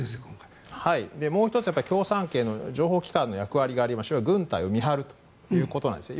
はい、もう１つ共産圏の情報機関の役割がありましてそれは軍隊を見張るということなんですね。